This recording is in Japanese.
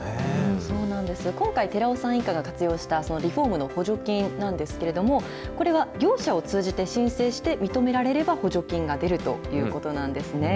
そうなんです、今回、寺尾さん一家が活用したリフォームの補助金なんですけれども、これは業者を通じて申請して認められれば、補助金が出るということなんですね。